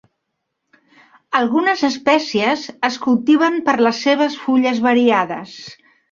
Algunes espècies es cultiven per les seves fulles variades.